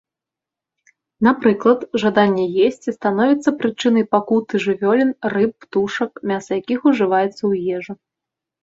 Напрыклад, жаданне есці становіцца прычынай пакуты жывёлін, рыб, птушак, мяса якіх ужываецца ў ежу.